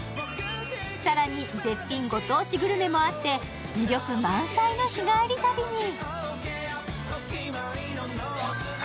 更に絶品ご当地グルメも合って魅力満載の日帰り旅に。